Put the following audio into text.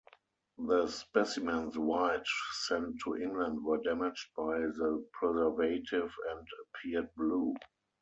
The specimens White sent to England were damaged by the preservative and appeared blue.